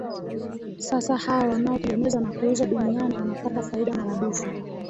sasa hao wanaotengeneza na kuuza duniani wanapata faida maradufu